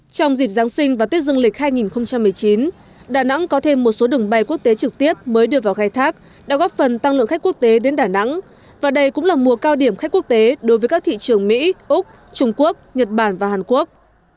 trong dịp giáng sinh và tết dương lịch hai nghìn một mươi chín đà nẵng có thêm một số đường bay quốc tế trực tiếp mới đưa vào khai thác đã góp phần tăng lượng khách quốc tế đến đà nẵng và đây cũng là mùa cao điểm khách quốc tế đối với các thị trường mỹ úc trung quốc nhật bản và hàn quốc